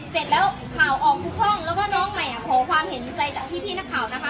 เสร็จแล้วข่าวออกทุกช่องแล้วก็น้องใหม่ขอความเห็นใจจากพี่นักข่าวนะคะ